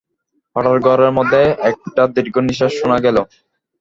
হঠাৎ ঘরের মধ্যে একটা দীর্ঘনিশ্বাস শুনা গেল।